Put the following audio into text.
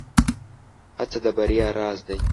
هڅه د بريا راز دی.